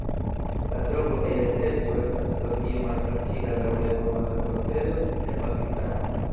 La trovo de identeco estas pro tio malfacila daŭre evoluanta procedo en Pakistano.